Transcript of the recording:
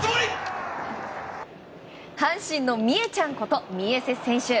阪神のミエちゃんことミエセス選手。